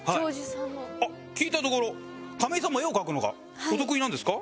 あっ聞いたところ亀井さんも絵を描くのがお得意なんですか？